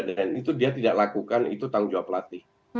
dan itu dia tidak lakukan itu tanggung jawab pelatih